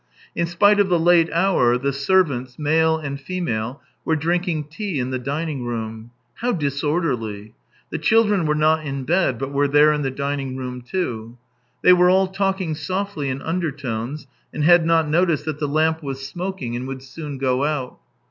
In spite of the late hour, the servants, male and female, were drinking tea in the dining room. How dis orderly ! The children were not in bed, but were there in the dining room, too. They were all talking softly in undertones, and had not noticed that the lamp was smoking and would soon go out.